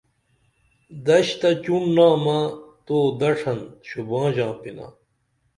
دݜ تہ چوڻ نامہ تو دڇھن شُباں ژانپِنا